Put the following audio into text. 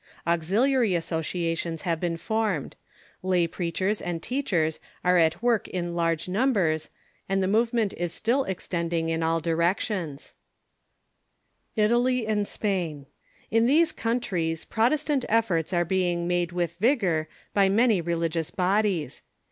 Auxiliary associations have been formed. La}'^ preachers and teachers are at work in large numbers, and the movement is still extending in all directions. In these countries Protestant eflPorts are being made with vigor by many religious bodies.